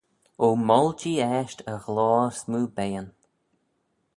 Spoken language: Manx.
O moyll jee eisht e ghloyr smoo beayn!